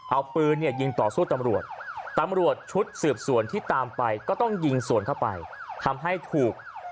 เอาปืนเนี่ยยิงต่อสู้ตำรวจตำรวจชุดสืบสวนที่ตามไปก็ต้องยิงสวนเข้าไปทำให้ถูก